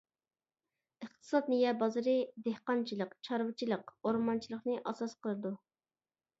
ئىقتىساد نىيە بازىرى دېھقانچىلىق، چارۋىچىلىق، ئورمانچىلىقنى ئاساس قىلىدۇ.